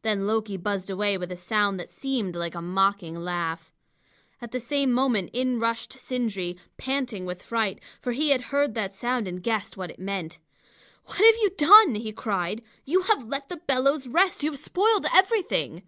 Then Loki buzzed away with a sound that seemed like a mocking laugh. At the same moment in rushed Sindri, panting with fright, for he had heard that sound and guessed what it meant. "What have you done?" he cried. "You have let the bellows rest! You have spoiled everything!"